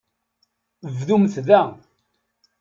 Bdumt da.